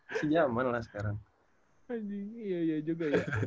masih zaman lah sekarang